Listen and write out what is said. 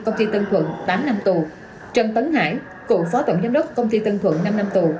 công ty tân thuận tám năm tù trần tấn hải cựu phó tổng giám đốc công ty tân thuận năm năm tù